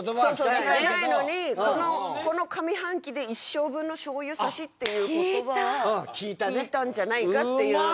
聞かないのにこの上半期で一生分の「醤油さし」っていう言葉は聞いたんじゃないかっていう。